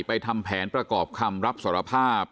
ทำแผนประกอบคำรับสารภาพ